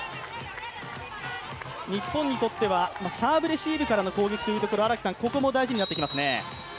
日本にとってはサーブレシーブからの攻撃というところ、ここも大事になってきますね。